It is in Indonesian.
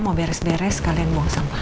mau beres beres kalian buang sampah